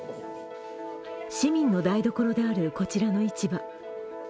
市民の台所であるこちらの市場。